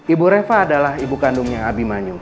ibu reva adalah ibu kandungnya abi manyu